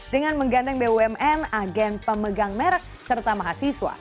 dengan menggandeng bumn agen pemegang merek serta mahasiswa